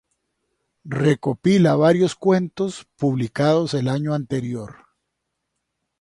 Recopila varios cuentos publicados el año anterior.